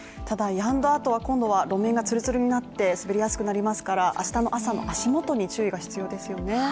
ただやんだあとは、今度は路面がつるつるになって滑りやすくなりますから明日の朝の足元に注意が必要ですよね。